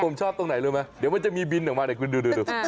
ผมชอบตรงไหนรู้ไหมเดี๋ยวมันจะมีบินออกมาเดี๋ยวคุณดู